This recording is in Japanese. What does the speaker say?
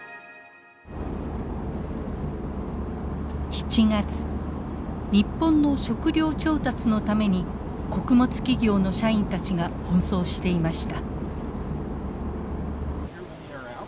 ７月日本の食料調達のために穀物企業の社員たちが奔走していました。